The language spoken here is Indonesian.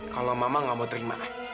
kalau mama nggak mau terima nay